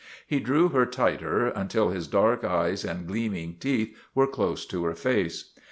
He drew her tighter until his dark eyes and gleaming teeth were close to her face.